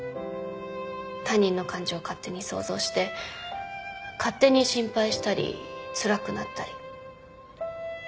他人の感情勝手に想像して勝手に心配したりつらくなったり。